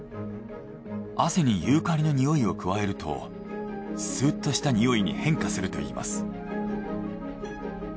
汗にユーカリのにおいを加えるとスーッとしたにおいに変化するといいます。